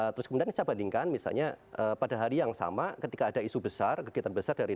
terus kemudian kita bandingkan misalnya pada hari yang sama ketika ada isu besar kegiatan besar dari